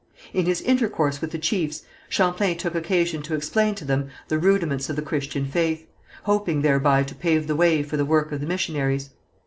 In his intercourse with the chiefs, Champlain took occasion to explain to them the rudiments of the Christian faith, hoping thereby to pave the way for the work of the missionaries.